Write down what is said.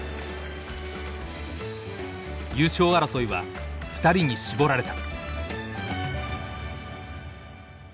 優勝争いは２人に絞られた。